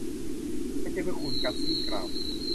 ไม่ใช่เพื่อคุณ. กัซซี่กล่าว